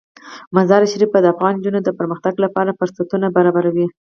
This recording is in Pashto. مزارشریف د افغان نجونو د پرمختګ لپاره فرصتونه برابروي.